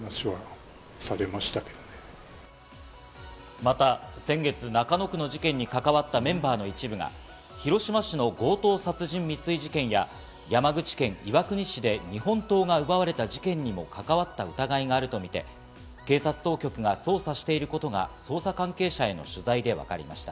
また先月、中野区の事件に関わったメンバーの一部が広島市の強盗殺人未遂事件や山口県岩国市で日本刀が奪われた事件にも関わった疑いがあるとみて、警察当局が捜査していることが捜査関係者への取材で分かりました。